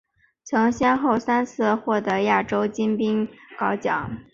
曾先后三次获得亚洲金冰镐奖。